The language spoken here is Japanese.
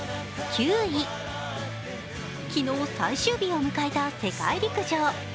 昨日、最終日を迎えた世界陸上。